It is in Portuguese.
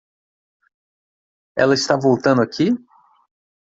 Ela está voltando aqui?